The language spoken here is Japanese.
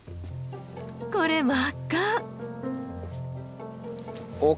これ真っ赤！